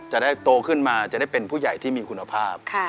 จะได้โตขึ้นมาจะได้เป็นผู้ใหญ่ที่มีคุณภาพ